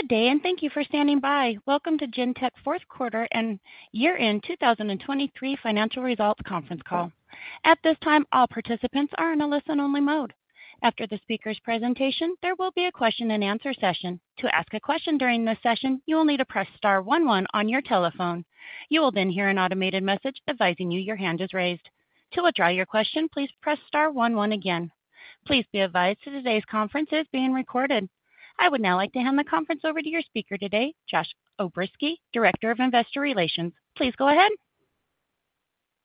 Good day, and thank you for standing by. Welcome to Gentex fourth quarter and year-end 2023 financial results conference call. At this time, all participants are in a listen-only mode. After the speaker's presentation, there will be a question-and-answer session. To ask a question during this session, you will need to press star one one on your telephone. You will then hear an automated message advising you your hand is raised. To withdraw your question, please press star one one again. Please be advised that today's conference is being recorded. I would now like to hand the conference over to your speaker today, Josh O'Berski, Director of Investor Relations. Please go ahead.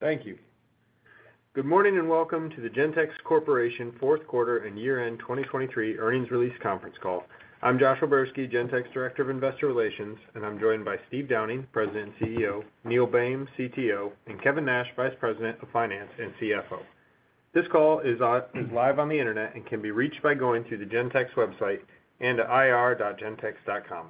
Thank you. Good morning, and welcome to the Gentex Corporation fourth quarter and year-end 2023 earnings release conference call. I'm Josh O'Berski, Gentex Director of Investor Relations, and I'm joined by Steve Downing, President and CEO, Neil Boehm, CTO, and Kevin Nash, Vice President of Finance and CFO. This call is, live on the internet and can be reached by going to the Gentex website and to ir.gentex.com.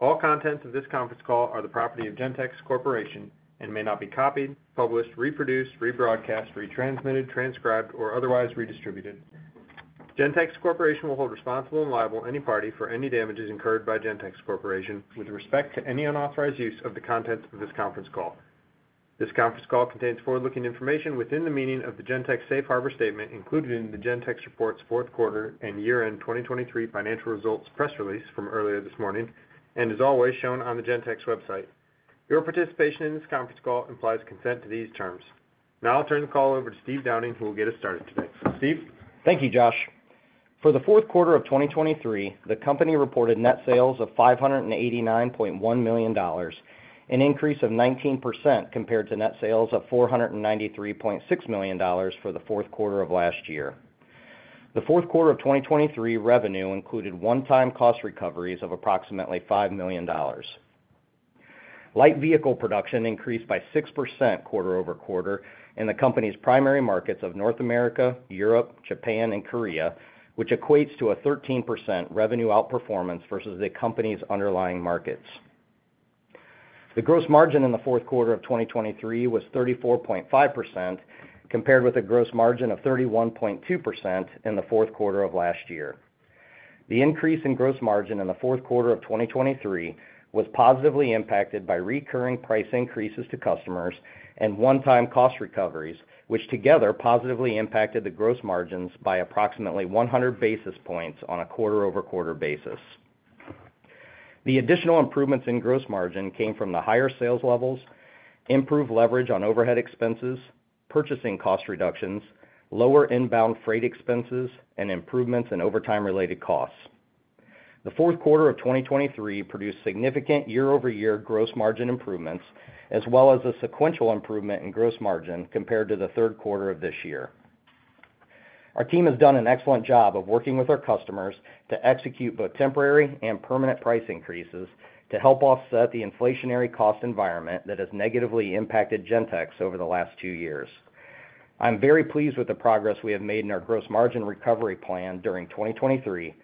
All contents of this conference call are the property of Gentex Corporation and may not be copied, published, reproduced, rebroadcast, retransmitted, transcribed, or otherwise redistributed. Gentex Corporation will hold responsible and liable any party for any damages incurred by Gentex Corporation with respect to any unauthorized use of the contents of this conference call. This conference call contains forward-looking information within the meaning of the Gentex Safe Harbor statement, included in the Gentex report's fourth quarter and year-end 2023 financial results press release from earlier this morning, and as always, shown on the Gentex website. Your participation in this conference call implies consent to these terms. Now I'll turn the call over to Steve Downing, who will get us started today. Steve? Thank you, Josh. For the fourth quarter of 2023, the company reported net sales of $589.1 million, an increase of 19% compared to net sales of $493.6 million for the fourth quarter of last year. The fourth quarter of 2023 revenue included one-time cost recoveries of approximately $5 million. Light vehicle production increased by 6% quarter-over-quarter in the company's primary markets of North America, Europe, Japan, and Korea, which equates to a 13% revenue outperformance versus the company's underlying markets. The gross margin in the fourth quarter of 2023 was 34.5%, compared with a gross margin of 31.2% in the fourth quarter of last year. The increase in gross margin in the fourth quarter of 2023 was positively impacted by recurring price increases to customers and one-time cost recoveries, which together positively impacted the gross margins by approximately 100 basis points on a quarter-over-quarter basis. The additional improvements in gross margin came from the higher sales levels, improved leverage on overhead expenses, purchasing cost reductions, lower inbound freight expenses, and improvements in overtime-related costs. The fourth quarter of 2023 produced significant year-over-year gross margin improvements, as well as a sequential improvement in gross margin compared to the third quarter of this year. Our team has done an excellent job of working with our customers to execute both temporary and permanent price increases to help offset the inflationary cost environment that has negatively impacted Gentex over the last two years. I'm very pleased with the progress we have made in our gross margin recovery plan during 2023,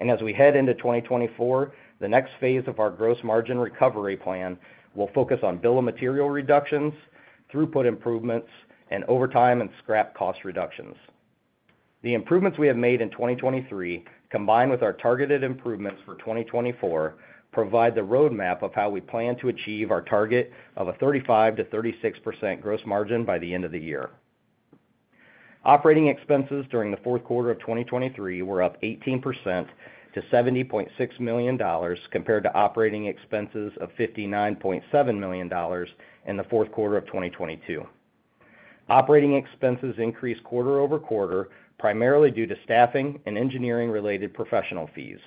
and as we head into 2024, the next phase of our gross margin recovery plan will focus on bill of material reductions, throughput improvements, and overtime and scrap cost reductions. The improvements we have made in 2023, combined with our targeted improvements for 2024, provide the roadmap of how we plan to achieve our target of a 35%-36% gross margin by the end of the year. Operating expenses during the fourth quarter of 2023 were up 18% to $70.6 million, compared to operating expenses of $59.7 million in the fourth quarter of 2022. Operating expenses increased quarter-over-quarter, primarily due to staffing and engineering-related professional fees.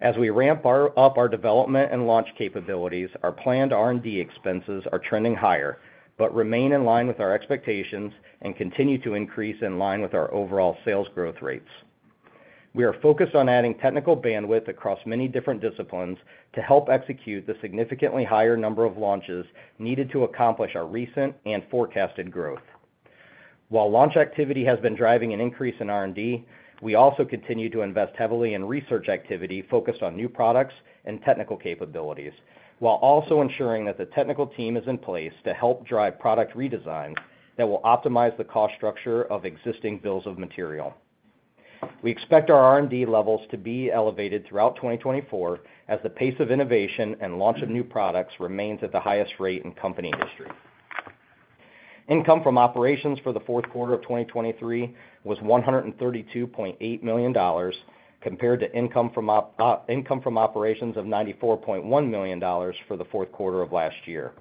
As we ramp up our development and launch capabilities, our planned R&D expenses are trending higher, but remain in line with our expectations and continue to increase in line with our overall sales growth rates. We are focused on adding technical bandwidth across many different disciplines to help execute the significantly higher number of launches needed to accomplish our recent and forecasted growth. While launch activity has been driving an increase in R&D, we also continue to invest heavily in research activity focused on new products and technical capabilities, while also ensuring that the technical team is in place to help drive product redesigns that will optimize the cost structure of existing bills of material. We expect our R&D levels to be elevated throughout 2024 as the pace of innovation and launch of new products remains at the highest rate in company history. Income from operations for the fourth quarter of 2023 was $132.8 million, compared to income from operations of $94.1 million for the fourth quarter of last year.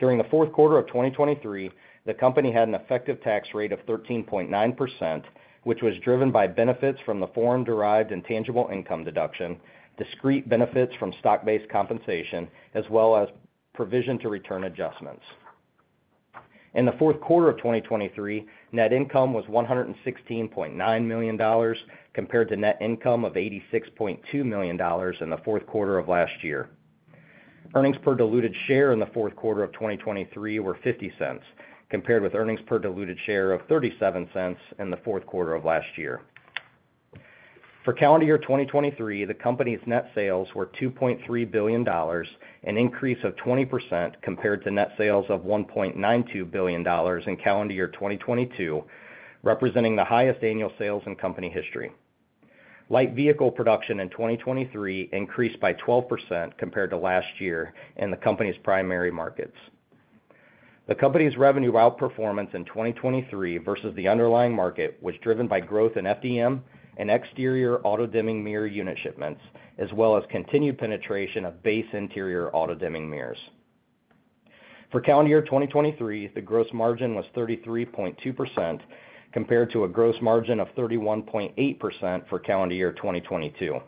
During the fourth quarter of 2023, the company had an effective tax rate of 13.9%, which was driven by benefits from the foreign-derived intangible income deduction, discrete benefits from stock-based compensation, as well as provision to return adjustments. In the fourth quarter of 2023, net income was $116.9 million, compared to net income of $86.2 million in the fourth quarter of last year. Earnings per diluted share in the fourth quarter of 2023 were $0.50, compared with earnings per diluted share of $0.37 in the fourth quarter of last year. For calendar year 2023, the company's net sales were $2.3 billion, an increase of 20% compared to net sales of $1.92 billion in calendar year 2022, representing the highest annual sales in company history. Light vehicle production in 2023 increased by 12% compared to last year in the company's primary markets. The company's revenue outperformance in 2023 versus the underlying market was driven by growth in FDM and exterior auto-dimming mirror unit shipments, as well as continued penetration of base interior auto-dimming mirrors. For calendar year 2023, the gross margin was 33.2% compared to a gross margin of 31.8% for calendar year 2022.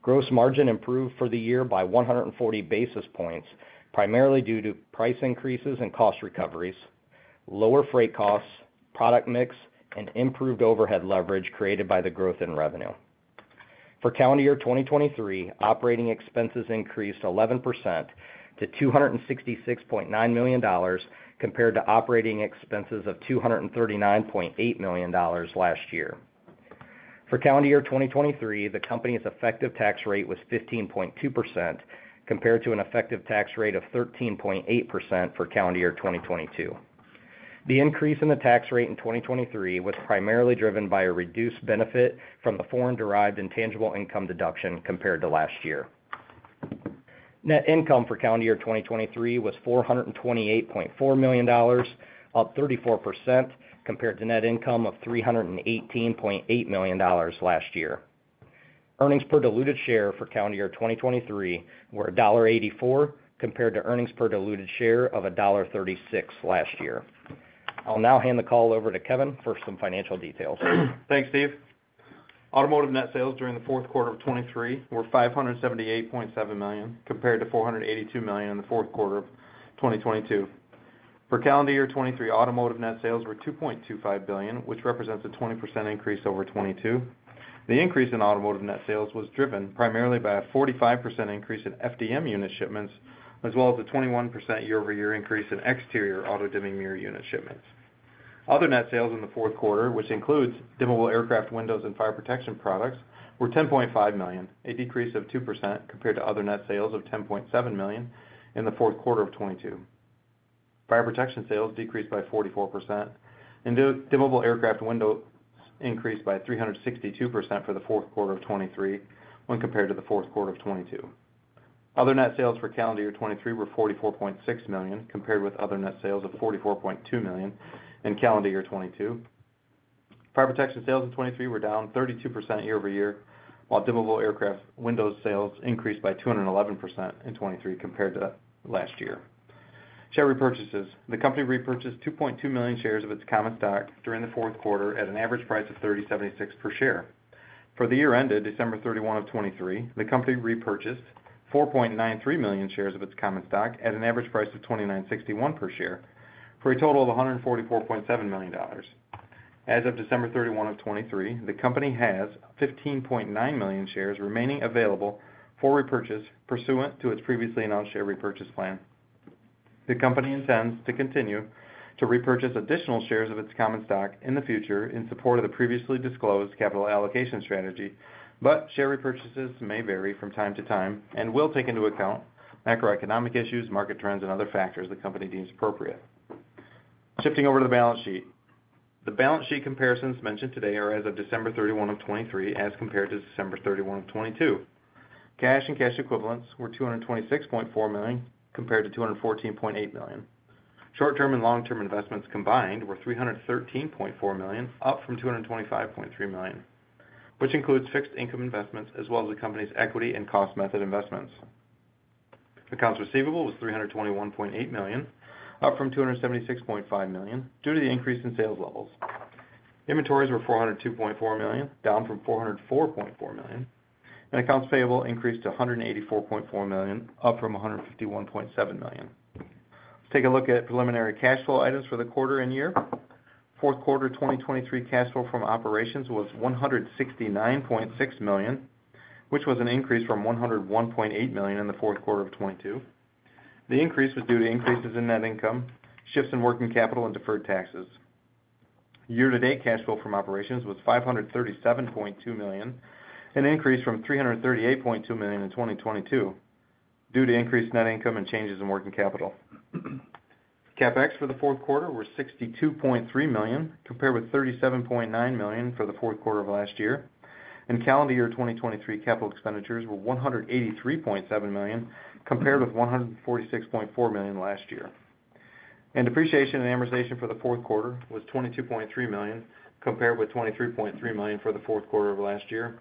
Gross margin improved for the year by 140 basis points, primarily due to price increases and cost recoveries, lower freight costs, product mix, and improved overhead leverage created by the growth in revenue. For calendar year 2023, operating expenses increased 11% to $266.9 million, compared to operating expenses of $239.8 million last year. For calendar year 2023, the company's effective tax rate was 15.2%, compared to an effective tax rate of 13.8% for calendar year 2022. The increase in the tax rate in 2023 was primarily driven by a reduced benefit from the foreign-derived intangible income deduction compared to last year. Net income for calendar year 2023 was $428.4 million, up 34% compared to net income of $318.8 million last year. Earnings per diluted share for calendar year 2023 were $1.84, compared to earnings per diluted share of $1.36 last year. I'll now hand the call over to Kevin for some financial details. Thanks, Steve. Automotive net sales during the fourth quarter of 2023 were $578.7 million, compared to $482 million in the fourth quarter of 2022. For calendar year 2023, automotive net sales were $2.25 billion, which represents a 20% increase over 2022. The increase in automotive net sales was driven primarily by a 45% increase in FDM unit shipments, as well as a 21% year-over-year increase in exterior auto-dimming mirror unit shipments. Other net sales in the fourth quarter, which includes dimmable aircraft windows and fire protection products, were $10.5 million, a decrease of 2% compared to other net sales of $10.7 million in the fourth quarter of 2022. Fire protection sales decreased by 44%, and the dimmable aircraft windows increased by 362% for the fourth quarter of 2023 when compared to the fourth quarter of 2022. Other net sales for calendar year 2023 were $44.6 million, compared with other net sales of $44.2 million in calendar year 2022. Fire protection sales in 2023 were down 32% year-over-year, while dimmable aircraft windows sales increased by 211% in 2023 compared to last year. Share repurchases. The company repurchased 2.2 million shares of its common stock during the fourth quarter at an average price of $30.76 per share. For the year ended December 31, 2023, the company repurchased 4.93 million shares of its common stock at an average price of $29.61 per share, for a total of $144.7 million. As of December 31, 2023, the company has 15.9 million shares remaining available for repurchase pursuant to its previously announced share repurchase plan. The company intends to continue to repurchase additional shares of its common stock in the future in support of the previously disclosed capital allocation strategy, but share repurchases may vary from time to time and will take into account macroeconomic issues, market trends, and other factors the company deems appropriate. Shifting over to the balance sheet. The balance sheet comparisons mentioned today are as of December 31, 2023, as compared to December 31, 2022. Cash and cash equivalents were $226.4 million, compared to $214.8 million. Short-term and long-term investments combined were $313.4 million, up from $225.3 million, which includes fixed income investments as well as the company's equity and cost method investments. Accounts receivable was $321.8 million, up from $276.5 million due to the increase in sales levels. Inventories were $402.4 million, down from $404.4 million, and accounts payable increased to $184.4 million, up from $151.7 million. Let's take a look at preliminary cash flow items for the quarter and year. Fourth quarter 2023 cash flow from operations was $169.6 million, which was an increase from $101.8 million in the fourth quarter of 2022. The increase was due to increases in net income, shifts in working capital, and deferred taxes. Year-to-date cash flow from operations was $537.2 million, an increase from $338.2 million in 2022 due to increased net income and changes in working capital. CapEx for the fourth quarter was $62.3 million, compared with $37.9 million for the fourth quarter of last year. In calendar year 2023, capital expenditures were $183.7 million, compared with $146.4 million last year. Depreciation and amortization for the fourth quarter was $22.3 million, compared with $23.3 million for the fourth quarter of last year.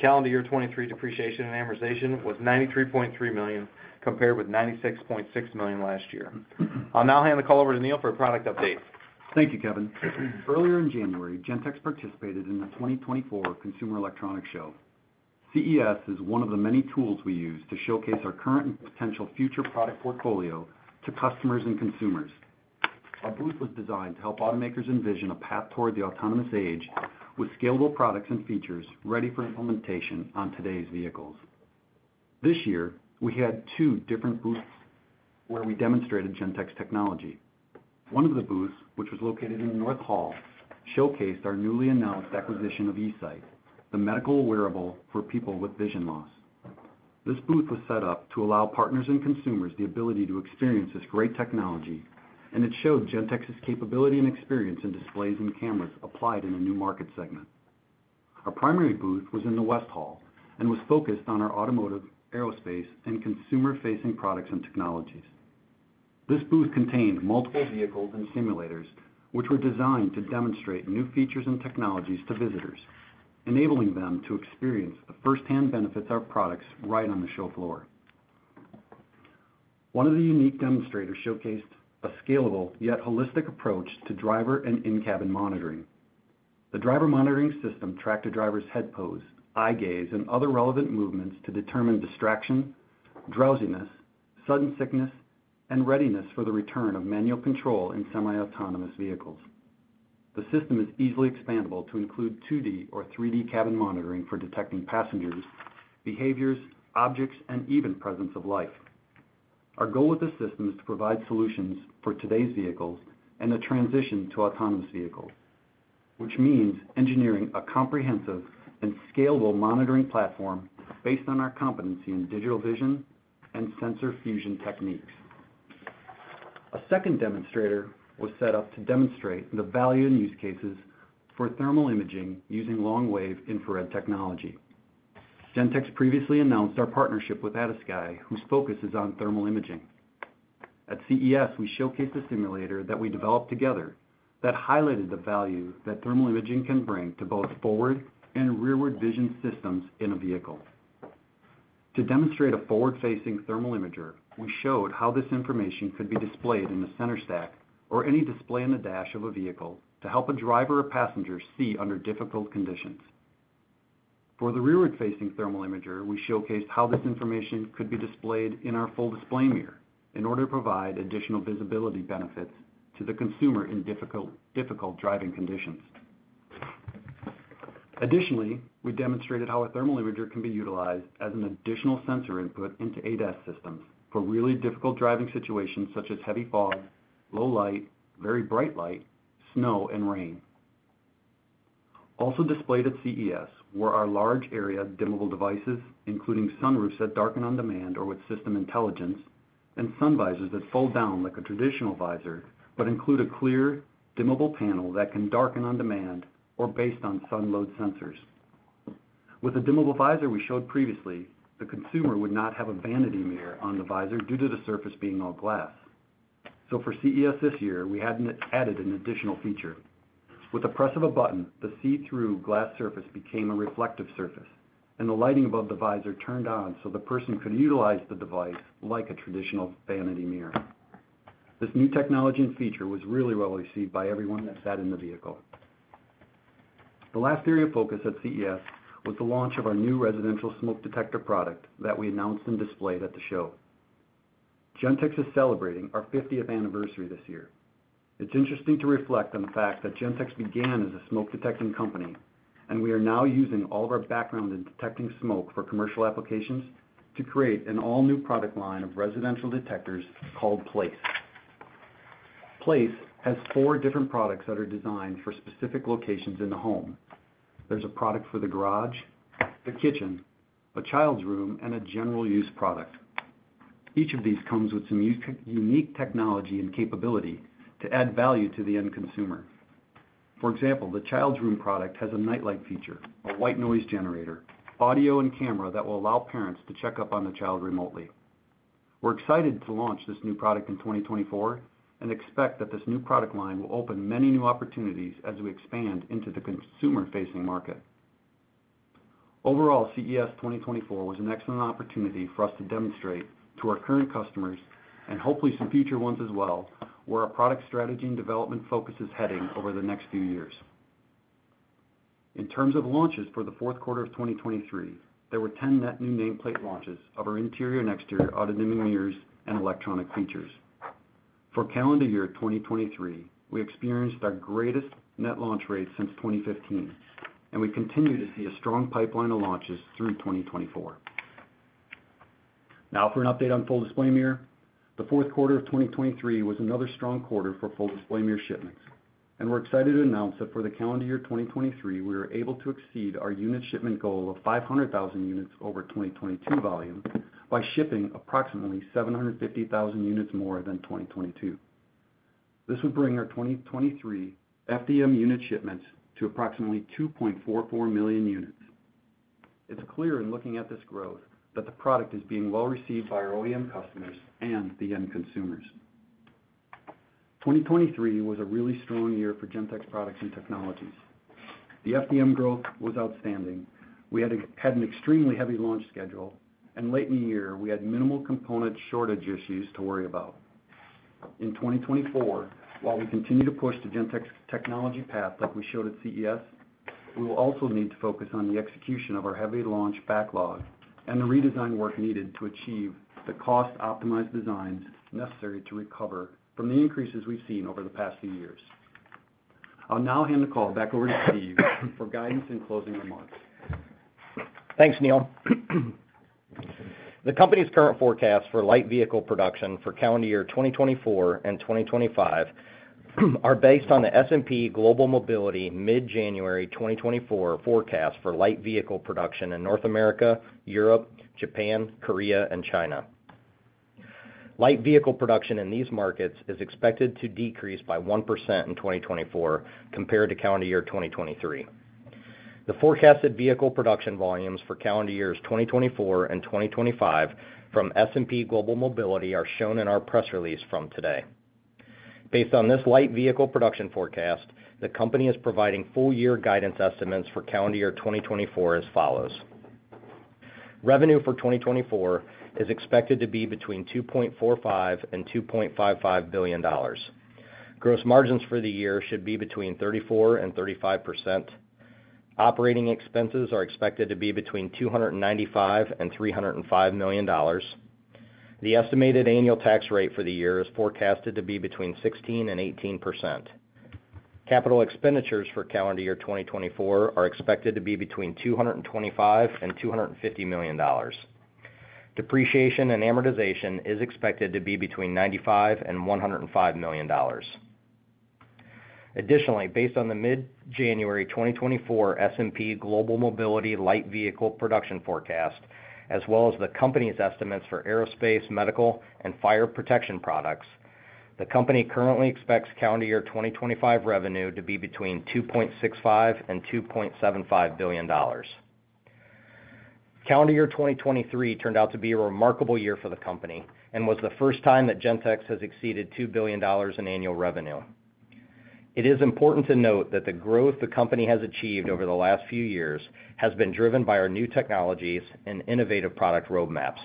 Calendar year 2023, depreciation and amortization was $93.3 million, compared with $96.6 million last year. I'll now hand the call over to Neil for a product update. Thank you, Kevin. Earlier in January, Gentex participated in the 2024 Consumer Electronics Show. CES is one of the many tools we use to showcase our current and potential future product portfolio to customers and consumers. Our booth was designed to help automakers envision a path toward the autonomous age with scalable products and features ready for implementation on today's vehicles. This year, we had two different booths where we demonstrated Gentex technology. One of the booths, which was located in North Hall, showcased our newly announced acquisition of eSight, the medical wearable for people with vision loss. This booth was set up to allow partners and consumers the ability to experience this great technology, and it showed Gentex's capability and experience in displays and cameras applied in a new market segment. Our primary booth was in the West Hall and was focused on our automotive, aerospace, and consumer-facing products and technologies. This booth contained multiple vehicles and simulators, which were designed to demonstrate new features and technologies to visitors, enabling them to experience the firsthand benefits of our products right on the show floor. One of the unique demonstrators showcased a scalable, yet holistic approach to driver and in-cabin monitoring. The driver monitoring system tracked a driver's head pose, eye gaze, and other relevant movements to determine distraction, drowsiness, sudden sickness, and readiness for the return of manual control in semi-autonomous vehicles. The system is easily expandable to include 2D or 3D cabin monitoring for detecting passengers, behaviors, objects, and even presence of life. Our goal with this system is to provide solutions for today's vehicles and the transition to autonomous vehicles, which means engineering a comprehensive and scalable monitoring platform based on our competency in digital vision and sensor fusion techniques. A second demonstrator was set up to demonstrate the value and use cases for thermal imaging using long-wave infrared technology. Gentex previously announced our partnership with ADASKY, whose focus is on thermal imaging. At CES, we showcased a simulator that we developed together that highlighted the value that thermal imaging can bring to both forward and rearward vision systems in a vehicle. To demonstrate a forward-facing thermal imager, we showed how this information could be displayed in the center stack or any display in the dash of a vehicle to help a driver or passenger see under difficult conditions. For the rearward-facing thermal imager, we showcased how this information could be displayed in our Full Display Mirror in order to provide additional visibility benefits to the consumer in difficult driving conditions. Additionally, we demonstrated how a thermal imager can be utilized as an additional sensor input into ADAS systems for really difficult driving situations such as heavy fog, low light, very bright light, snow, and rain. Also displayed at CES were our Large Area Dimmable Devices, including sunroofs that darken on demand or with system intelligence, and sun visors that fold down like a traditional visor but include a clear, dimmable panel that can darken on demand or based on sun load sensors. With the Dimmable Visor we showed previously, the consumer would not have a vanity mirror on the visor due to the surface being all glass. So for CES this year, we had added an additional feature. With the press of a button, the see-through glass surface became a reflective surface, and the lighting above the visor turned on so the person could utilize the device like a traditional vanity mirror. This new technology and feature was really well received by everyone that sat in the vehicle. The last area of focus at CES was the launch of our new residential smoke detector product that we announced and displayed at the show. Gentex is celebrating our fiftieth anniversary this year. It's interesting to reflect on the fact that Gentex began as a smoke detecting company, and we are now using all of our background in detecting smoke for commercial applications to create an all-new product line of residential detectors called Place. Place has four different products that are designed for specific locations in the home. There's a product for the garage, the kitchen, a child's room, and a general use product. Each of these comes with some unique technology and capability to add value to the end consumer. For example, the child's room product has a nightlight feature, a white noise generator, audio and camera that will allow parents to check up on the child remotely. We're excited to launch this new product in 2024 and expect that this new product line will open many new opportunities as we expand into the consumer-facing market. Overall, CES 2024 was an excellent opportunity for us to demonstrate to our current customers, and hopefully some future ones as well, where our product strategy and development focus is heading over the next few years. In terms of launches for the fourth quarter of 2023, there were 10 net new nameplate launches of our interior and exterior auto-dimming mirrors and electronic features. For calendar year 2023, we experienced our greatest net launch rate since 2015, and we continue to see a strong pipeline of launches through 2024. Now, for an update on Full Display Mirror. The fourth quarter of 2023 was another strong quarter for Full Display Mirror shipments, and we're excited to announce that for the calendar year 2023, we were able to exceed our unit shipment goal of 500,000 units over 2022 volume, by shipping approximately 750,000 units more than 2022. This would bring our 2023 FDM unit shipments to approximately 2.44 million units. It's clear in looking at this growth, that the product is being well received by our OEM customers and the end consumers. 2023 was a really strong year for Gentex products and technologies. The FDM growth was outstanding. We had an extremely heavy launch schedule, and late in the year, we had minimal component shortage issues to worry about. In 2024, while we continue to push the Gentex technology path like we showed at CES, we will also need to focus on the execution of our heavily launched backlog and the redesign work needed to achieve the cost-optimized designs necessary to recover from the increases we've seen over the past few years. I'll now hand the call back over to Steve for guidance and closing remarks. Thanks, Neil. The company's current forecast for light vehicle production for calendar year 2024 and 2025 are based on the S&P Global Mobility mid-January 2024 forecast for light vehicle production in North America, Europe, Japan, Korea, and China. Light vehicle production in these markets is expected to decrease by 1% in 2024 compared to calendar year 2023. The forecasted vehicle production volumes for calendar years 2024 and 2025 from S&P Global Mobility are shown in our press release from today. Based on this light vehicle production forecast, the company is providing full year guidance estimates for calendar year 2024 as follows: Revenue for 2024 is expected to be between $2.45 billion-$2.55 billion. Gross margins for the year should be between 34%-35%. Operating expenses are expected to be between $295 million and $305 million. The estimated annual tax rate for the year is forecasted to be between 16% and 18%. Capital expenditures for calendar year 2024 are expected to be between $225 million and $250 million. Depreciation and amortization is expected to be between $95 million and $105 million. Additionally, based on the mid-January 2024 S&P Global Mobility light vehicle production forecast, as well as the company's estimates for aerospace, medical, and fire protection products, the company currently expects calendar year 2025 revenue to be between $2.65 billion and $2.75 billion. Calendar year 2023 turned out to be a remarkable year for the company and was the first time that Gentex has exceeded $2 billion in annual revenue. It is important to note that the growth the company has achieved over the last few years has been driven by our new technologies and innovative product roadmaps.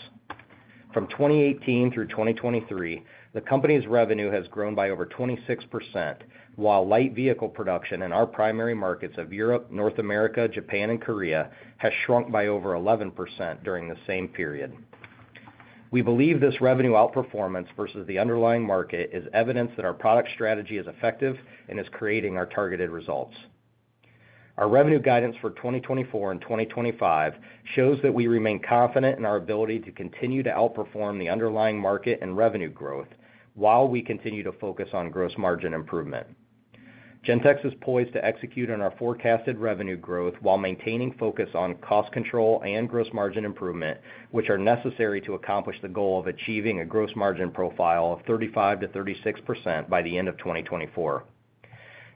From 2018 through 2023, the company's revenue has grown by over 26%, while light vehicle production in our primary markets of Europe, North America, Japan, and Korea has shrunk by over 11% during the same period. We believe this revenue outperformance versus the underlying market is evidence that our product strategy is effective and is creating our targeted results. Our revenue guidance for 2024 and 2025 shows that we remain confident in our ability to continue to outperform the underlying market and revenue growth while we continue to focus on gross margin improvement. Gentex is poised to execute on our forecasted revenue growth while maintaining focus on cost control and gross margin improvement, which are necessary to accomplish the goal of achieving a gross margin profile of 35%-36% by the end of 2024.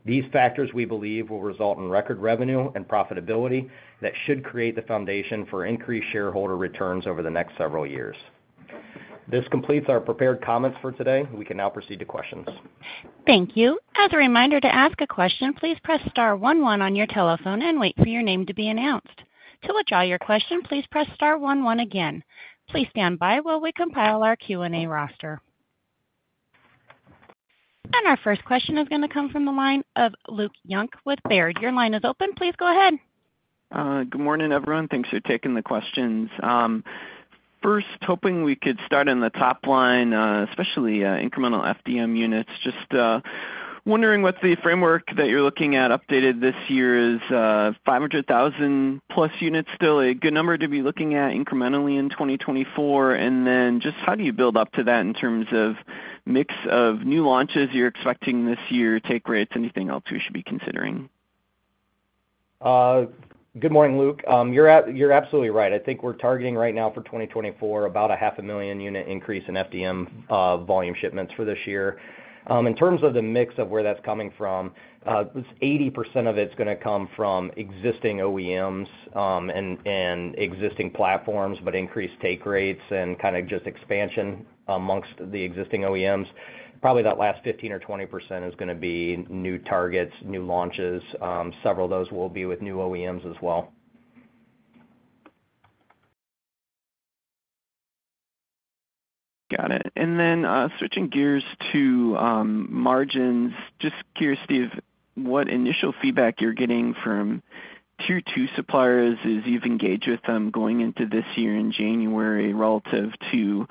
These factors, we believe, will result in record revenue and profitability that should create the foundation for increased shareholder returns over the next several years. This completes our prepared comments for today. We can now proceed to questions. Thank you. As a reminder, to ask a question, please press star one, one on your telephone and wait for your name to be announced. To withdraw your question, please press star one, one again. Please stand by while we compile our Q&A roster. Our first question is gonna come from the line of Luke Junk with Baird. Your line is open. Please go ahead. Good morning, everyone. Thanks for taking the questions. First, hoping we could start on the top line, especially, incremental FDM units. Just, wondering what's the framework that you're looking at updated this year. Is, 500,000+ units still a good number to be looking at incrementally in 2024? And then just how do you build up to that in terms of mix of new launches you're expecting this year, take rates, anything else we should be considering? Good morning, Luke. You're absolutely right. I think we're targeting right now for 2024, about a 500,000-unit increase in FDM volume shipments for this year. In terms of the mix of where that's coming from, 80% of it's gonna come from existing OEMs, and, and existing platforms, but increased take rates and kind of just expansion amongst the existing OEMs. Probably, that last 15%-20% is gonna be new targets, new launches. Several of those will be with new OEMs as well. Got it. And then, switching gears to margins. Just curious, Steve, what initial feedback you're getting from tier two suppliers as you've engaged with them going into this year in January, relative to,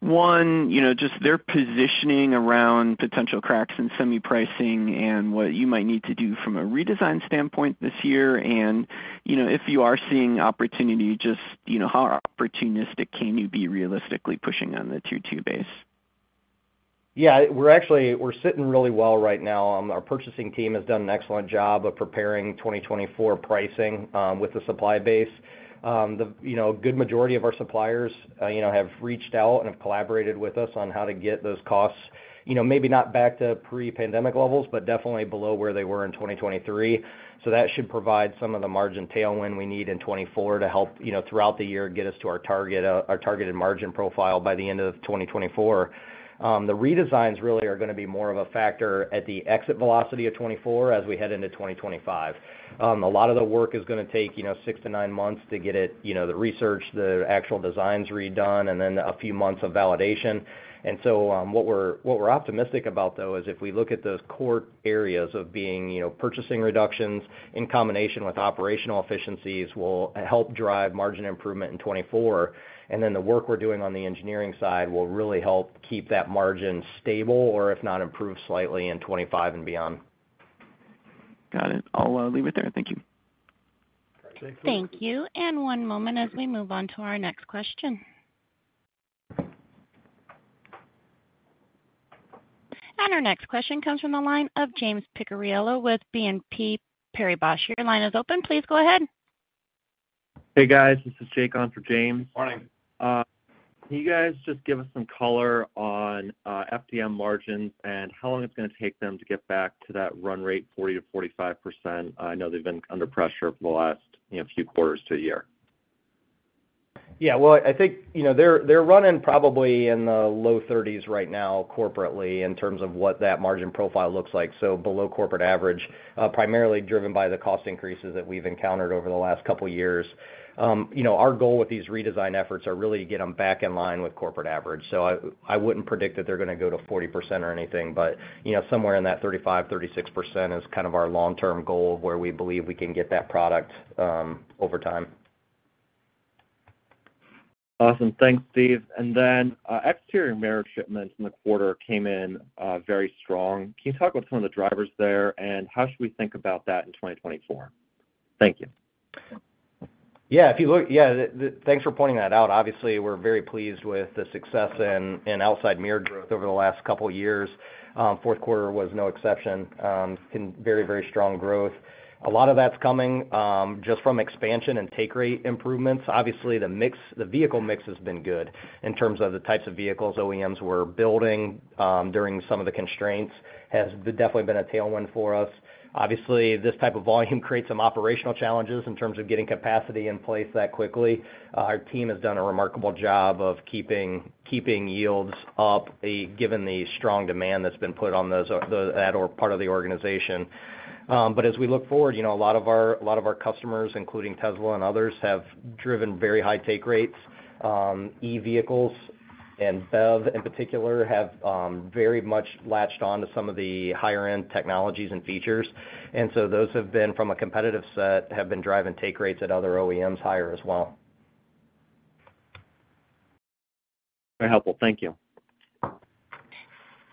one, you know, just their positioning around potential cracks in semi-pricing and what you might need to do from a redesign standpoint this year. And, you know, if you are seeing opportunity, just, you know, how opportunistic can you be realistically pushing on the tier two base? Yeah, we're actually sitting really well right now. Our purchasing team has done an excellent job of preparing 2024 pricing with the supply base. The, you know, good majority of our suppliers, you know, have reached out and have collaborated with us on how to get those costs, you know, maybe not back to pre-pandemic levels, but definitely below where they were in 2023. So that should provide some of the margin tailwind we need in 2024 to help, you know, throughout the year, get us to our target, our targeted margin profile by the end of 2024. The redesigns really are gonna be more of a factor at the exit velocity of 2024 as we head into 2025. A lot of the work is gonna take, you know, 6-9 months to get it, you know, the research, the actual designs redone, and then a few months of validation. And so, what we're optimistic about, though, is if we look at those core areas of being, you know, purchasing reductions in combination with operational efficiencies, will help drive margin improvement in 2024. And then the work we're doing on the engineering side will really help keep that margin stable or if not, improve slightly in 2025 and beyond. Got it. I'll leave it there. Thank you. Thank you. One moment as we move on to our next question. Our next question comes from the line of James Picariello with BNP Paribas. Your line is open. Please go ahead. Hey, guys, this is Jake on for James. Morning. Can you guys just give us some color on FDM margins and how long it's gonna take them to get back to that run rate, 40%-45%? I know they've been under pressure for the last, you know, few quarters to a year. Yeah, well, I think, you know, they're, they're running probably in the low 30s right now corporately, in terms of what that margin profile looks like. So below corporate average, primarily driven by the cost increases that we've encountered over the last couple of years. You know, our goal with these redesign efforts are really to get them back in line with corporate average. So I, I wouldn't predict that they're gonna go to 40% or anything, but, you know, somewhere in that 35%-36% is kind of our long-term goal, where we believe we can get that product over time. Awesome. Thanks, Steve. And then, exterior mirror shipments in the quarter came in, very strong. Can you talk about some of the drivers there, and how should we think about that in 2024? Thank you. Thanks for pointing that out. Obviously, we're very pleased with the success in outside mirror growth over the last couple of years. Fourth quarter was no exception. Been very, very strong growth. A lot of that's coming just from expansion and take rate improvements. Obviously, the mix, the vehicle mix has been good in terms of the types of vehicles OEMs were building during some of the constraints, has definitely been a tailwind for us. Obviously, this type of volume creates some operational challenges in terms of getting capacity in place that quickly. Our team has done a remarkable job of keeping yields up, given the strong demand that's been put on those, that part of the organization. But as we look forward, you know, a lot of our, a lot of our customers, including Tesla and others, have driven very high take rates. E-vehicles and BEV, in particular, have very much latched on to some of the higher-end technologies and features, and so those have been, from a competitive set, have been driving take rates at other OEMs higher as well. Very helpful. Thank you.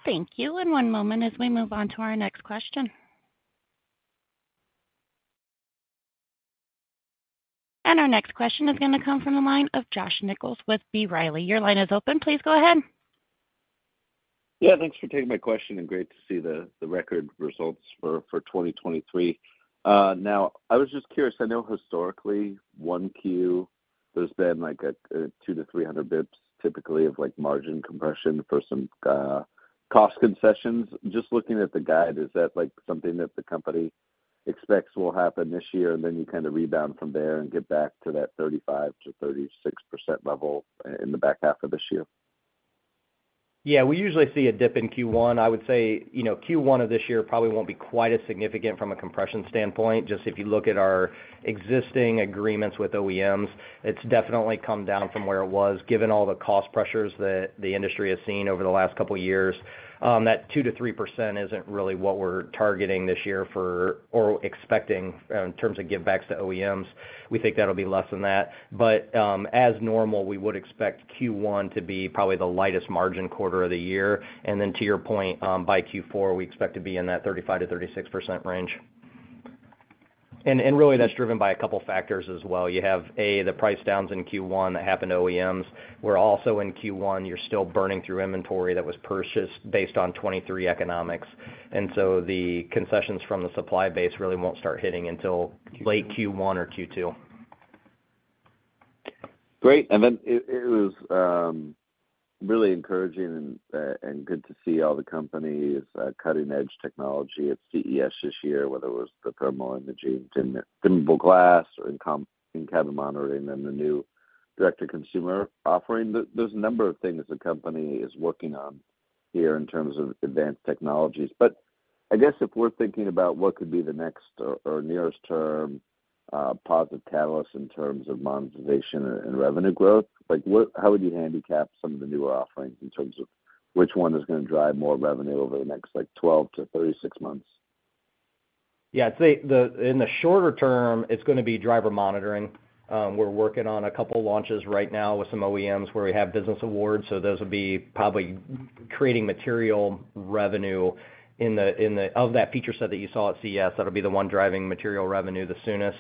Thank you. One moment as we move on to our next question. Our next question is going to come from the line of Josh Nichols with B. Riley. Your line is open. Please go ahead. Yeah, thanks for taking my question, and great to see the record results for 2023. Now I was just curious, I know historically, 1Q, there's been, like, a 200 to 300 basis points typically of, like, margin compression for some cost concessions. Just looking at the guide, is that, like, something that the company expects will happen this year, and then you kind of rebound from there and get back to that 35%-36% level in the back half of this year? Yeah, we usually see a dip in Q1. I would say, you know, Q1 of this year probably won't be quite as significant from a compression standpoint. Just if you look at our existing agreements with OEMs, it's definitely come down from where it was, given all the cost pressures that the industry has seen over the last couple of years. That 2%-3% isn't really what we're targeting this year for, or expecting, in terms of givebacks to OEMs. We think that'll be less than that. But, as normal, we would expect Q1 to be probably the lightest margin quarter of the year. And then to your point, by Q4, we expect to be in that 35%-36% range. And really, that's driven by a couple factors as well. You have, A, the price downs in Q1 that happened to OEMs. We're also in Q1, you're still burning through inventory that was purchased based on 2023 economics, and so the concessions from the supply base really won't start hitting until late Q1 or Q2. Great. And then it was really encouraging and good to see all the company's cutting-edge technology at CES this year, whether it was the thermal imaging, dimmable glass or in-cabin monitoring and the new direct-to-consumer offering. There's a number of things the company is working on here in terms of advanced technologies. But I guess if we're thinking about what could be the next or nearest term positive catalyst in terms of monetization and revenue growth, like, what, how would you handicap some of the newer offerings in terms of which one is going to drive more revenue over the next, like, 12-36 months? Yeah, I'd say in the shorter term, it's going to be driver monitoring. We're working on a couple launches right now with some OEMs where we have business awards, so those will be probably creating material revenue in the... Of that feature set that you saw at CES, that'll be the one driving material revenue the soonest.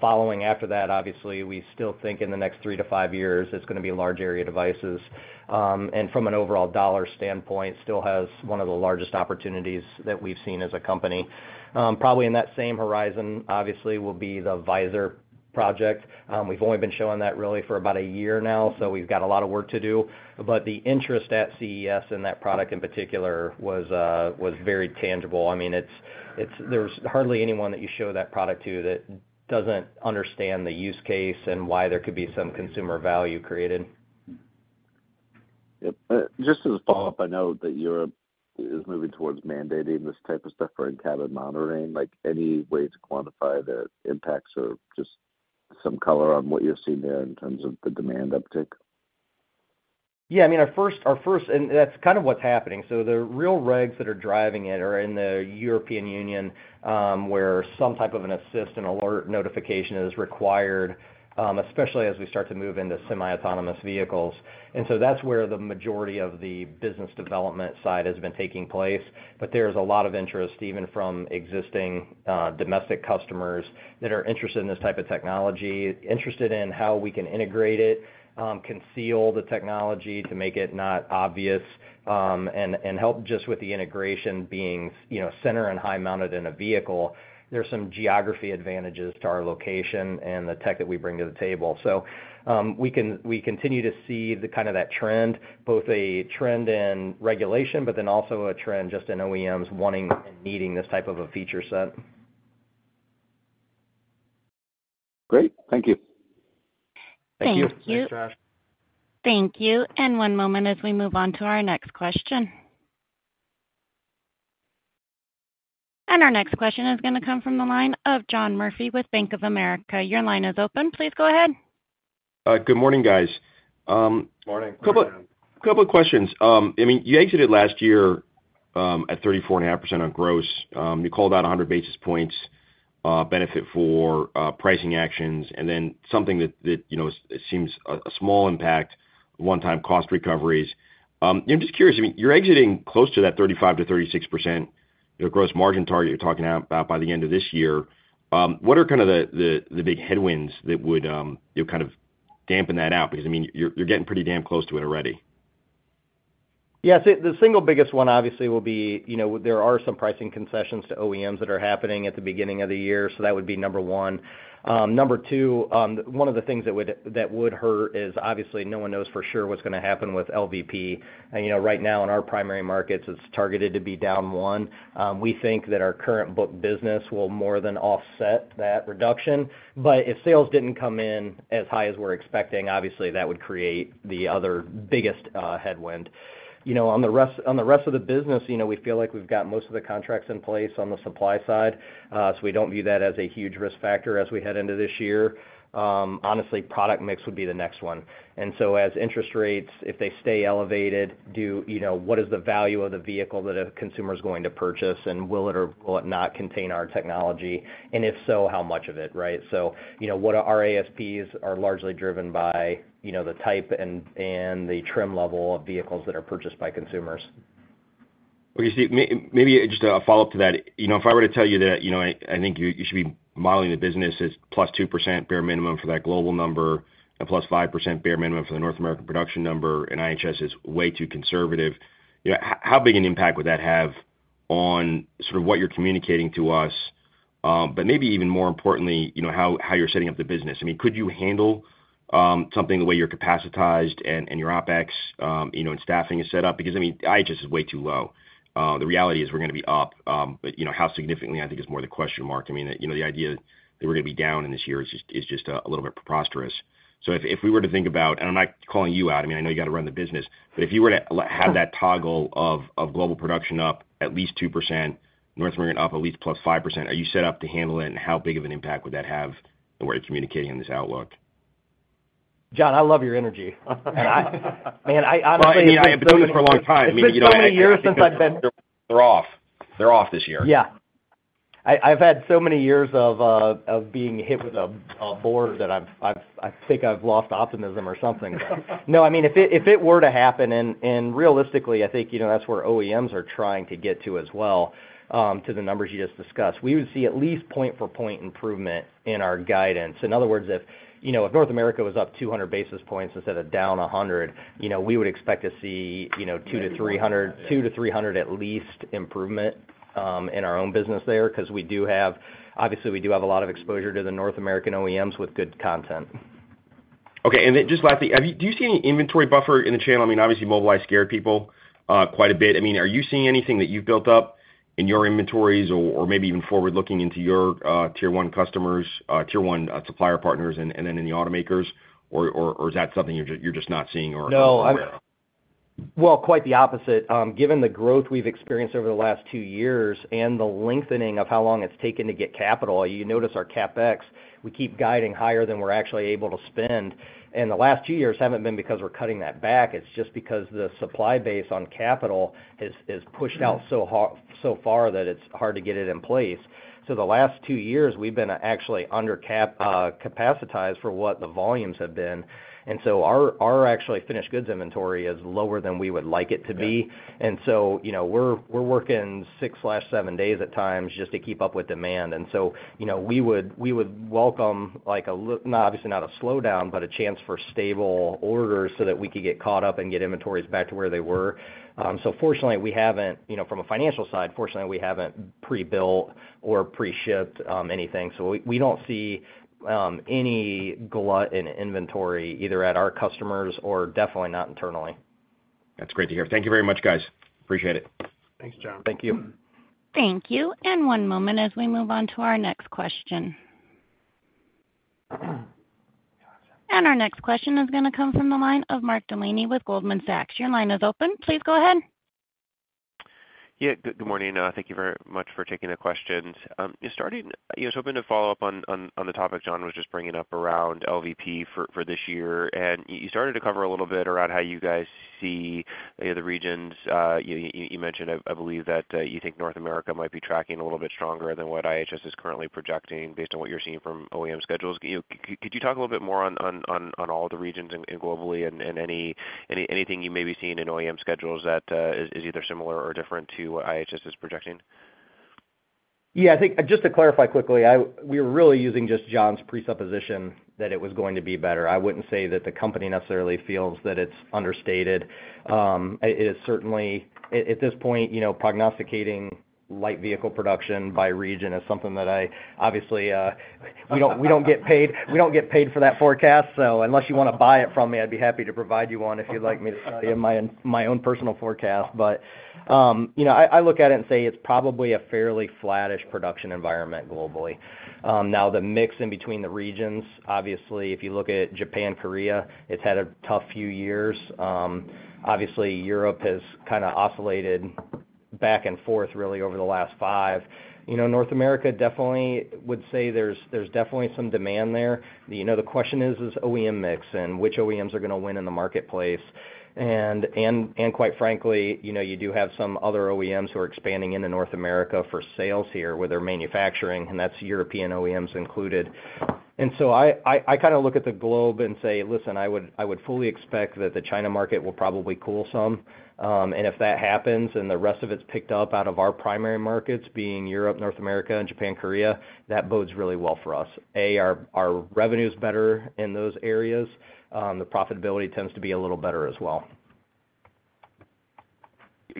Following after that, obviously, we still think in the next three to five years, it's going to be large area devices, and from an overall dollar standpoint, still has one of the largest opportunities that we've seen as a company. Probably in that same horizon, obviously, will be the visor project. We've only been showing that really for about 1 year now, so we've got a lot of work to do. But the interest at CES in that product in particular was very tangible. I mean, it's, there's hardly anyone that you show that product to that doesn't understand the use case and why there could be some consumer value created. Yep. Just as a follow-up, I know that Europe is moving towards mandating this type of stuff for in-cabin monitoring. Like, any way to quantify the impacts or just some color on what you're seeing there in terms of the demand uptick? Yeah, I mean, our first, and that's kind of what's happening. So the real regs that are driving it are in the European Union, where some type of an assist and alert notification is required, especially as we start to move into semi-autonomous vehicles. And so that's where the majority of the business development side has been taking place. But there's a lot of interest, even from existing domestic customers that are interested in this type of technology, interested in how we can integrate it, conceal the technology to make it not obvious, and help just with the integration being, you know, center and high mounted in a vehicle. There's some geography advantages to our location and the tech that we bring to the table. So, we continue to see the kind of that trend, both a trend in regulation, but then also a trend just in OEMs wanting and needing this type of a feature set. Great. Thank you. Thank you. Thank you. Thanks, Josh. Thank you. One moment as we move on to our next question. Our next question is going to come from the line of John Murphy with Bank of America. Your line is open. Please go ahead. Good morning, guys. Morning. A couple of questions. I mean, you exited last year at 34.5% on gross. You called out 100 basis points benefit for pricing actions, and then something that you know seems a small impact, one-time cost recoveries. I'm just curious, I mean, you're exiting close to that 35%-36%, your gross margin target you're talking about by the end of this year. What are kind of the big headwinds that would kind of dampen that out? Because, I mean, you're getting pretty damn close to it already. Yeah, I'd say the single biggest one obviously will be, you know, there are some pricing concessions to OEMs that are happening at the beginning of the year, so that would be number one. Number two, one of the things that would, that would hurt is obviously no one knows for sure what's going to happen with LVP. You know, right now, in our primary markets, it's targeted to be down 1%. We think that our current book business will more than offset that reduction. But if sales didn't come in as high as we're expecting, obviously, that would create the other biggest headwind. You know, on the rest, on the rest of the business, you know, we feel like we've got most of the contracts in place on the supply side, so we don't view that as a huge risk factor as we head into this year. Honestly, product mix would be the next one. And so as interest rates, if they stay elevated, do, you know, what is the value of the vehicle that a consumer is going to purchase? And will it or will it not contain our technology? And if so, how much of it, right? So, you know, what our ASPs are largely driven by, you know, the type and, and the trim level of vehicles that are purchased by consumers. Well, you see, maybe just a follow-up to that. You know, if I were to tell you that, you know, I think you should be modeling the business as +2% bare minimum for that global number, and +5% bare minimum for the North American production number, and IHS is way too conservative, you know, how big an impact would that have on sort of what you're communicating to us, but maybe even more importantly, you know, how you're setting up the business? I mean, could you handle something the way you're capacitated and your OpEx, you know, and staffing is set up? Because, I mean, IHS is way too low. The reality is we're going to be up, but you know, how significantly, I think, is more the question mark. I mean, you know, the idea that we're going to be down in this year is just, is just, a little bit preposterous. So if, if we were to think about, and I'm not calling you out, I mean, I know you got to run the business, but if you were to have that toggle of, of global production up at least 2%, North American up at least +5%, are you set up to handle it? And how big of an impact would that have the way you're communicating in this outlook? John, I love your energy. Man, I honestly- Well, I mean, I've been doing this for a long time. It's been so many years since I've been- They're off. They're off this year. Yeah. I've had so many years of being hit with a board that I think I've lost optimism or something. No, I mean, if it were to happen, and realistically, I think, you know, that's where OEMs are trying to get to as well, to the numbers you just discussed, we would see at least point for point improvement in our guidance. In other words, if, you know, if North America was up 200 basis points instead of down 100 basis points, you know, we would expect to see, you know, 200-300 basis points, 200-300 basis points at least improvement, in our own business there, because we do have, obviously, we do have a lot of exposure to the North American OEMs with good content. Okay, and then just lastly, have you, do you see any inventory buffer in the channel? I mean, obviously, Mobileye scared people quite a bit. I mean, are you seeing anything that you've built up in your inventories or, or maybe even forward looking into your tier one customers, tier one supplier partners and then in the automakers? Or is that something you're just not seeing or- No. Well, quite the opposite. Given the growth we've experienced over the last two years and the lengthening of how long it's taken to get capital, you notice our CapEx, we keep guiding higher than we're actually able to spend. And the last two years haven't been because we're cutting that back, it's just because the supply base on capital has pushed out so far that it's hard to get it in place. So the last two years, we've been actually under-capacitated for what the volumes have been. And so our actually finished goods inventory is lower than we would like it to be. Yeah. And so, you know, we're working 6/7 days at times just to keep up with demand. And so, you know, we would welcome, like, obviously not a slowdown, but a chance for stable orders so that we could get caught up and get inventories back to where they were. So fortunately, we haven't, you know, from a financial side, fortunately, we haven't pre-built or pre-shipped anything. So we don't see any glut in inventory, either at our customers or definitely not internally. That's great to hear. Thank you very much, guys. Appreciate it. Thanks, John. Thank you. Thank you. One moment as we move on to our next question. Our next question is going to come from the line of Mark Delaney with Goldman Sachs. Your line is open. Please go ahead. Yeah, good morning. Thank you very much for taking the questions. Just starting, you know, hoping to follow up on the topic John was just bringing up around LVP for this year. You started to cover a little bit around how you guys see the other regions. You mentioned, I believe, that you think North America might be tracking a little bit stronger than what IHS is currently projecting based on what you're seeing from OEM schedules. You know, could you talk a little bit more on all the regions and globally and anything you may be seeing in OEM schedules that is either similar or different to what IHS is projecting? Yeah, I think just to clarify quickly, we're really using just John's presupposition that it was going to be better. I wouldn't say that the company necessarily feels that it's understated. It is certainly, at this point, you know, prognosticating light vehicle production by region is something that I obviously we don't get paid for that forecast. So unless you want to buy it from me, I'd be happy to provide you one, if you'd like me to sell you my own personal forecast. But, you know, I look at it and say it's probably a fairly flattish production environment globally. Now, the mix in between the regions, obviously, if you look at Japan, Korea, it's had a tough few years. Obviously, Europe has kind of oscillated back and forth really over the last five. You know, North America definitely would say there's definitely some demand there. You know, the question is OEM mix and which OEMs are going to win in the marketplace. And quite frankly, you know, you do have some other OEMs who are expanding into North America for sales here, where they're manufacturing, and that's European OEMs included. And so I kind of look at the globe and say, listen, I would fully expect that the China market will probably cool some. And if that happens, and the rest of it's picked up out of our primary markets, being Europe, North America, and Japan, Korea, that bodes really well for us. Our revenue is better in those areas. The profitability tends to be a little better as well.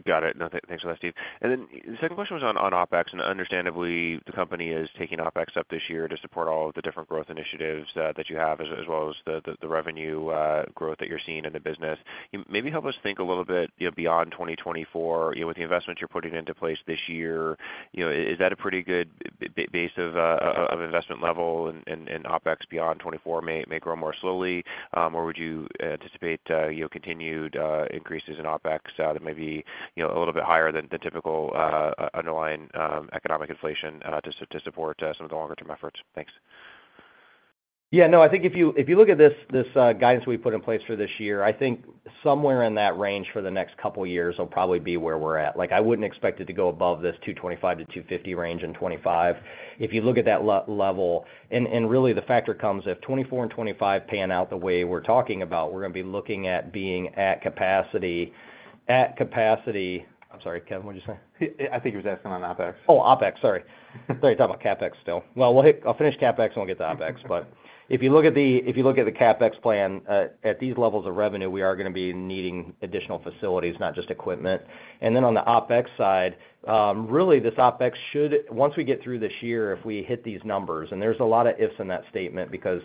Got it. No, thanks for that, Steve. And then the second question was on OpEx, and understandably, the company is taking OpEx up this year to support all of the different growth initiatives that you have, as well as the revenue growth that you're seeing in the business. Maybe help us think a little bit, you know, beyond 2024. You know, with the investments you're putting into place this year, you know, is that a pretty good base of investment level and OpEx beyond 2024 may grow more slowly? Or would you anticipate, you know, continued increases in OpEx that may be, you know, a little bit higher than the typical underlying economic inflation to support some of the longer-term efforts? Thanks. Yeah, no, I think if you look at this guidance we put in place for this year, I think somewhere in that range for the next couple of years will probably be where we're at. Like, I wouldn't expect it to go above this 225-250 range in 2025. If you look at that level... And really, the factor comes, if 2024 and 2025 pan out the way we're talking about, we're going to be looking at being at capacity, at capacity... I'm sorry, Kevin, what did you say? I think he was asking on OpEx. Oh, OpEx, sorry. Sorry, talking about CapEx still. Well, we'll hit. I'll finish CapEx, and we'll get to OpEx. But if you look at the CapEx plan, at these levels of revenue, we are going to be needing additional facilities, not just equipment. And then on the OpEx side, really, this OpEx should. Once we get through this year, if we hit these numbers, and there's a lot of ifs in that statement, because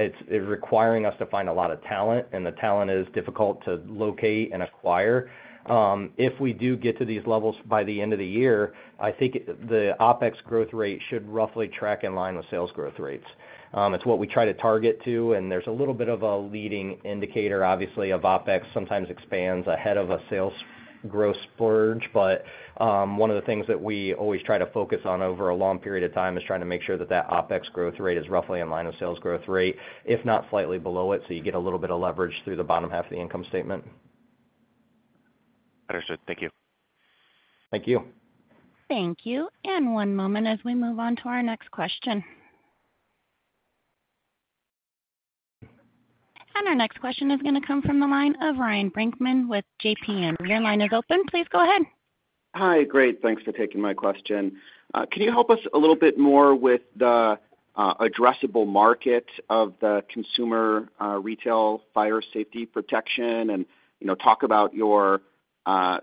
it's requiring us to find a lot of talent, and the talent is difficult to locate and acquire. If we do get to these levels by the end of the year, I think the OpEx growth rate should roughly track in line with sales growth rates. It's what we try to target to, and there's a little bit of a leading indicator, obviously, of OpEx, sometimes expands ahead of a sales growth splurge. But, one of the things that we always try to focus on over a long period of time is trying to make sure that that OpEx growth rate is roughly in line with sales growth rate, if not slightly below it, so you get a little bit of leverage through the bottom half of the income statement. Understood. Thank you. Thank you. Thank you. One moment as we move on to our next question. Our next question is going to come from the line of Ryan Brinkman with JPM. Your line is open. Please go ahead. Hi. Great, thanks for taking my question. Can you help us a little bit more with the addressable market of the consumer retail fire safety protection? And, you know, talk about your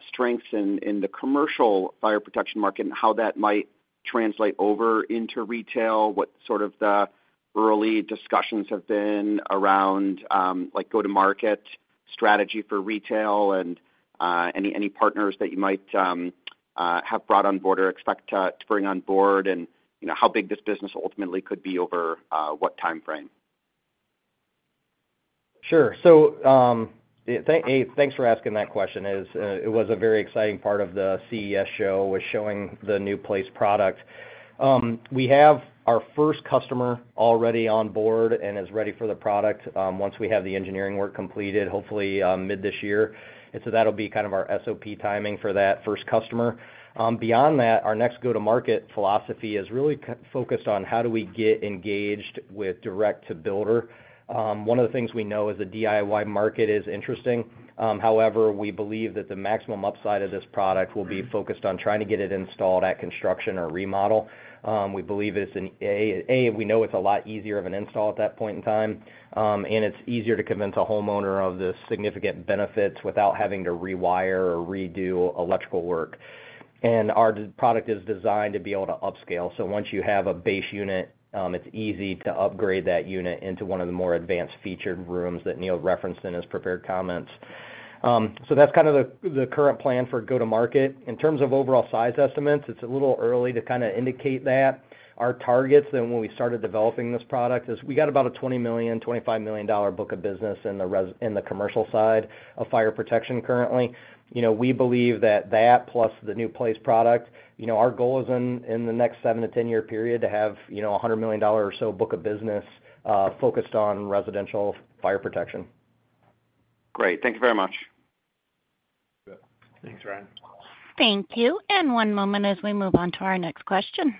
strengths in the commercial fire protection market and how that might translate over into retail. What sort of the early discussions have been around, like, go-to-market strategy for retail and any partners that you might have brought on board or expect to bring on board? And, you know, how big this business ultimately could be over what timeframe? Sure. So, hey, thanks for asking that question. As it was a very exciting part of the CES show, was showing the new Place product. We have our first customer already on board and is ready for the product, once we have the engineering work completed, hopefully, mid this year. And so that'll be kind of our SOP timing for that first customer. Beyond that, our next go-to-market philosophy is really focused on how do we get engaged with direct to builder. One of the things we know is the DIY market is interesting. However, we believe that the maximum upside of this product will be focused on trying to get it installed at construction or remodel. We believe it's a lot easier of an install at that point in time, and it's easier to convince a homeowner of the significant benefits without having to rewire or redo electrical work. And our [place] product is designed to be able to upscale. So once you have a base unit, it's easy to upgrade that unit into one of the more advanced featured rooms that Neil referenced in his prepared comments. So that's kind of the current plan for go-to-market. In terms of overall size estimates, it's a little early to kinda indicate that. Our target, then when we started developing this product, is we got about a $20 million-$25 million book of business in the commercial side of fire protection currently. You know, we believe that that plus the new Place product, you know, our goal is in the next seven to 10-year period, to have, you know, a $100 million or so book of business, focused on residential fire protection. Great. Thank you very much. Good. Thanks, Ryan. Thank you. One moment as we move on to our next question.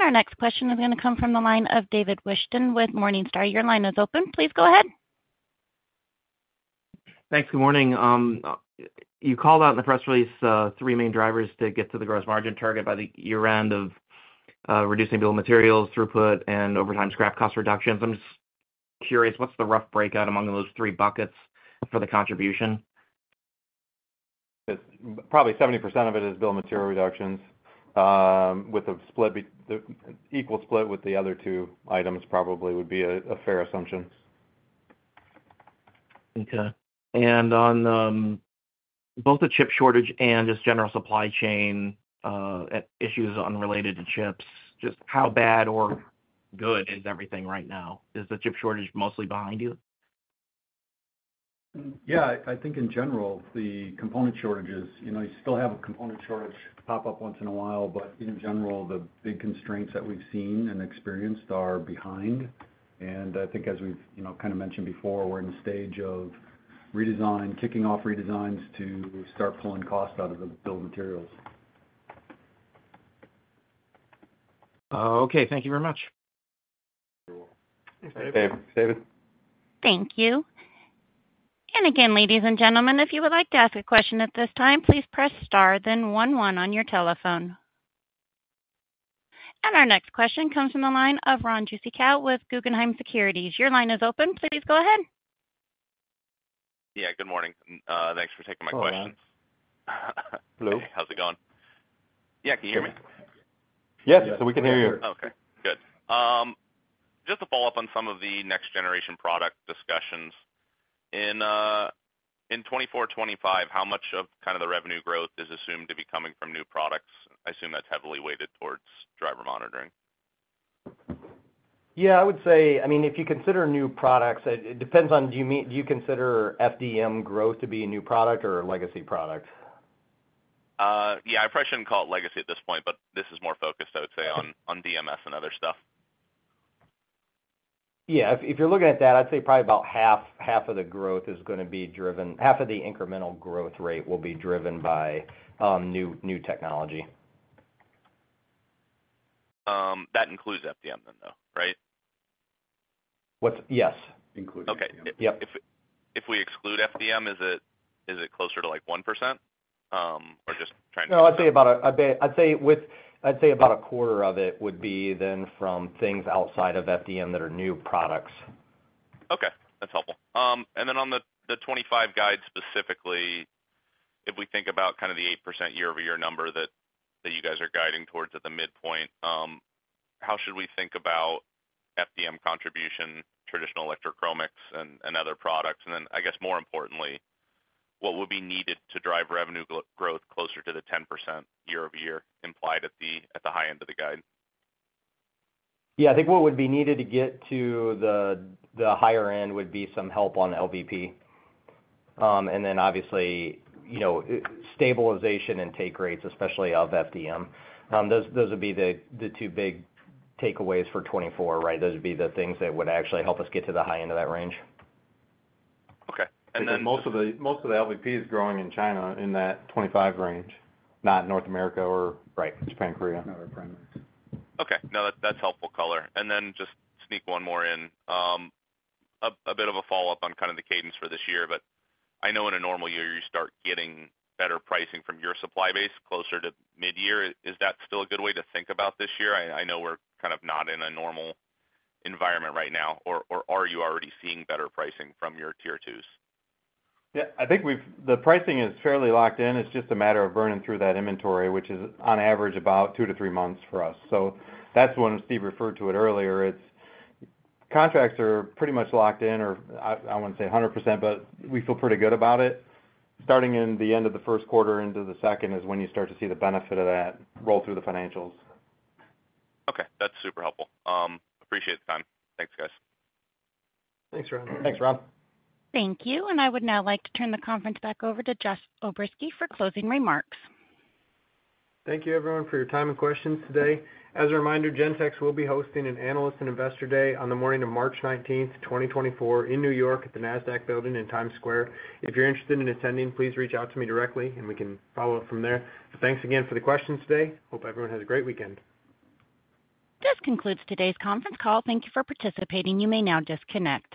Our next question is gonna come from the line of David Whiston with Morningstar. Your line is open. Please go ahead. Thanks. Good morning. You called out in the press release three main drivers to get to the gross margin target by the year-end of reducing bill of materials, throughput, and overtime scrap cost reductions. I'm just curious, what's the rough breakout among those three buckets for the contribution? Probably 70% of it is bill of material reductions, with the equal split with the other two items probably would be a fair assumption. Okay. And on both the chip shortage and just general supply chain issues unrelated to chips, just how bad or good is everything right now? Is the chip shortage mostly behind you? Yeah, I think in general, the component shortages, you know, you still have a component shortage pop up once in a while, but in general, the big constraints that we've seen and experienced are behind. I think as we've, you know, kind of mentioned before, we're in a stage of redesign, kicking off redesigns to start pulling costs out of the build materials. Okay. Thank you very much. Okay. David. Thank you. And again, ladies and gentlemen, if you would like to ask a question at this time, please press star then one one on your telephone. And our next question comes from the line of Ron Jewsikow with Guggenheim Securities. Your line is open. Please go ahead. Yeah, good morning. Thanks for taking my question. Hello. How's it going? Yeah, can you hear me? Yes, we can hear you. Okay, good. Just to follow up on some of the next generation product discussions. In 2024, 2025, how much of kind of the revenue growth is assumed to be coming from new products? I assume that's heavily weighted towards driver monitoring. Yeah, I would say, I mean, if you consider new products, it depends on, do you mean— do you consider FDM growth to be a new product or a legacy product? Yeah, I probably shouldn't call it legacy at this point, but this is more focused, I would say, on, on DMS and other stuff. Yeah. If you're looking at that, I'd say probably about half of the incremental growth rate will be driven by new technology. That includes FDM then, though, right? What? Yes, includes FDM. Okay. Yep. If, if we exclude FDM, is it, is it closer to, like, 1%? Or just trying to- No, I'd say about a quarter of it would be then from things outside of FDM that are new products. Okay, that's helpful. And then on the 2025 guide, specifically, if we think about kind of the 8% year-over-year number that you guys are guiding towards at the midpoint, how should we think about FDM contribution, traditional electrochromics, and other products? And then, I guess, more importantly, what would be needed to drive revenue growth closer to the 10% year-over-year implied at the high end of the guide? Yeah, I think what would be needed to get to the higher end would be some help on LVP. And then obviously, you know, stabilization and take rates, especially of FDM. Those would be the two big takeaways for 2024, right? Those would be the things that would actually help us get to the high end of that range. Okay. And then most of the LVP is growing in China in that 2025 range, not North America or- Right... Japan, Korea. Okay. No, that's helpful color. And then just sneak one more in. A bit of a follow-up on kind of the cadence for this year, but I know in a normal year, you start getting better pricing from your supply base closer to midyear. Is that still a good way to think about this year? I know we're kind of not in a normal environment right now, or are you already seeing better pricing from your Tier 2s? Yeah, I think we've—the pricing is fairly locked in. It's just a matter of burning through that inventory, which is on average, about two to three months for us. So that's when Steve referred to it earlier. It's... Contracts are pretty much locked in, or I, I wouldn't say 100%, but we feel pretty good about it. Starting in the end of the first quarter into the second is when you start to see the benefit of that roll through the financials. Okay, that's super helpful. Appreciate the time. Thanks, guys. Thanks, Ron. Thanks, Ron. Thank you. I would now like to turn the conference back over to Josh O'Berski for closing remarks. Thank you, everyone, for your time and questions today. As a reminder, Gentex will be hosting an Analyst and Investor Day on the morning of March 19th, 2024, in New York at the Nasdaq building in Times Square. If you're interested in attending, please reach out to me directly, and we can follow up from there. Thanks again for the questions today. Hope everyone has a great weekend. This concludes today's conference call. Thank you for participating. You may now disconnect.